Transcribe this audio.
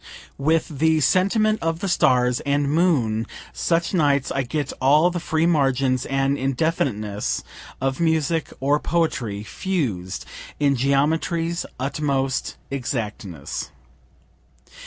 With the sentiment of the stars and moon such nights I get all the free margins and indefiniteness of music or poetry, fused in geometry's utmost exactness.